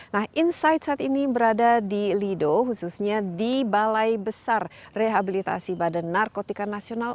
nah insight saat ini berada di lido khususnya di balai besar rehabilitasi badan narkotika nasional